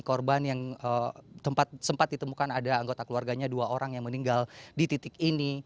korban yang sempat ditemukan ada anggota keluarganya dua orang yang meninggal di titik ini